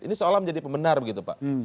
ini seolah menjadi pembenar begitu pak